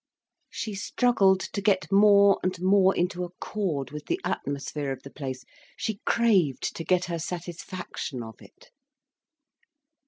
She struggled to get more and more into accord with the atmosphere of the place, she craved to get her satisfaction of it.